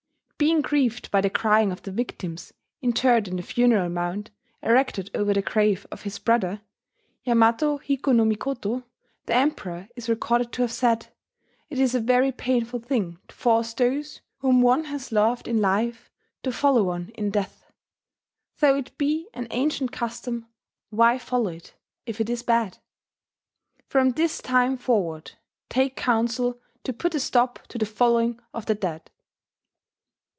Being grieved by the crying of the victims interred in the funeral mound erected over the grave of his brother, Yamato hiko no mikoto, the Emperor is recorded to have said: "It is a very painful thing to force those whom one has loved in life to follow one in death. Though it be an ancient custom, why follow it, if it is bad? From this time forward take counsel to put a stop to the following of the dead."